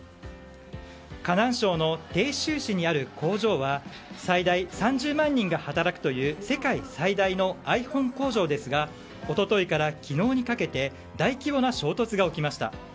河南省の鄭州市にある工場は最大３０万人が働くという世界最大のｉＰｈｏｎｅ工場ですが一昨日から昨日にかけて大規模な衝突が起きました。